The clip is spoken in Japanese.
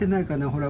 ほら。